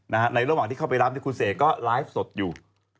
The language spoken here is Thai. ในระหว่างที่เข้าไปรับคุณเสกก็ไลฟ์สดอยู่